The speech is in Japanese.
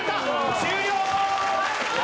終了！